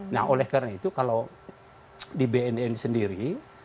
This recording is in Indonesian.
nah oleh karena itu kalau di bnn sendiri